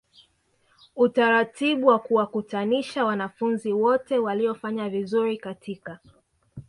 utaratibu wakuwakutanisha wanafunzi wote waliofanya vizuri katika